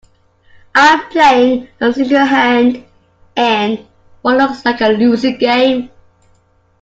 I'm playing a single hand in what looks like a losing game.